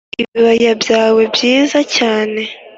Ibibaya byawe byiza cyane,